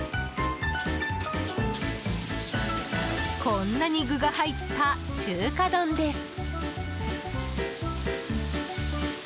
こんなに具が入った中華丼です。